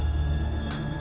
aku bisa sembuh